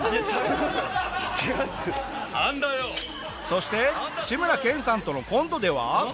そして志村けんさんとのコントでは。